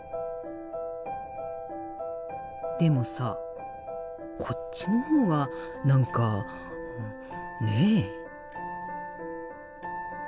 でもさこっちの方が何かねえ？